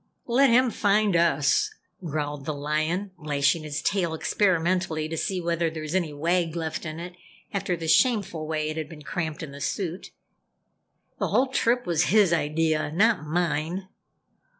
"Let him find us," growled the Lion, lashing his tail experimentally to see whether there was any wag left in it after the shameful way it had been cramped in the suit, "The whole trip was his idea not mine!"